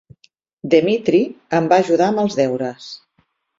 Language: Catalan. Dmitry em va ajudar amb els deures.